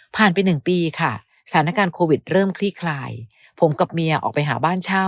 ไปหนึ่งปีค่ะสถานการณ์โควิดเริ่มคลี่คลายผมกับเมียออกไปหาบ้านเช่า